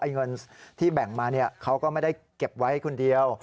เงินที่แบ่งมาเขาก็ไม่ได้เก็บไว้คนเดียว